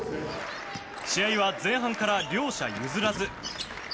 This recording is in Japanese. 試合は前半から両者譲らず。